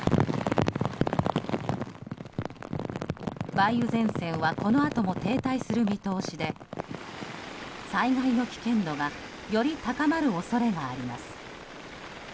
梅雨前線はこのあとも停滞する見通しで災害の危険度がより高まる恐れがあります。